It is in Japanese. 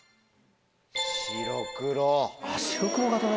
白黒！